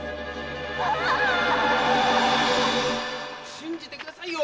信じてくださいよ！